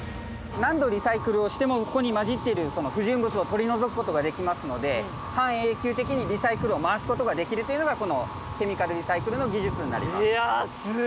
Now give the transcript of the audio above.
何度リサイクルをしてもここに混じっているその不純物を取り除くことができますので半永久的にリサイクルを回すことができるというのがこのケミカルリサイクルの技術になります。